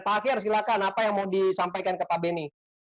pak akyar silakan apa yang mau disampaikan ke pak benny